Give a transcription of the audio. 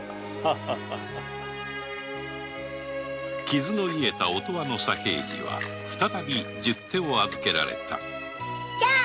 傷の癒えた音羽の左平次は再び十手を預けられたちゃん。